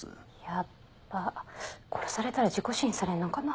ヤッバ殺されたら事故死にされんのかな。